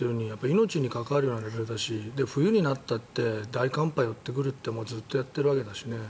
命に関わるものだし冬になったって大寒波がやってくるってずっとやっているわけだしね。